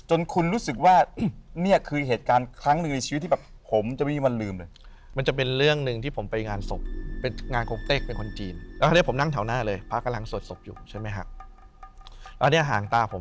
จนคุณรู้สึกว่าเนี่ยคือเหตุการณ์ครั้งหนึ่งในชีวิตที่แบบ